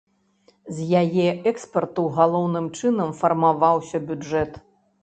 З яе экспарту галоўным чынам фармаваўся бюджэт.